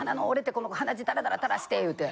この子鼻血ダラダラ垂らして言うて。